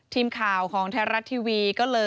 ทีมข่าวของทนรัฐทีวี